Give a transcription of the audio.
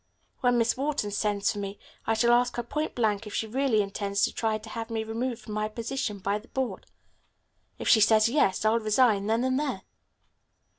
When Miss Wharton sends for me I shall ask her point blank if she really intends to try to have me removed from my position by the Board. If she says 'yes,' I'll resign, then and there."